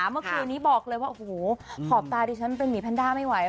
เมื่อคืนนี้บอกเลยว่าโอ้โหขอบตาดิฉันเป็นหมีแพนด้าไม่ไหว